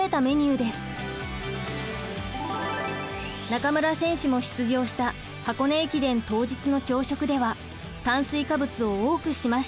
中村選手も出場した箱根駅伝当日の朝食では炭水化物を多くしました。